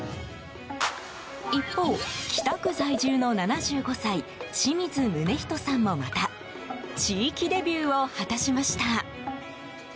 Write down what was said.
一方、北区在住の７５歳清水宗仁さんもまた地域デビューを果たしました。